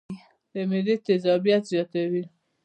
د معدې تېزابيت زياتوي